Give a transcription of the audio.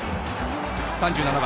３７番。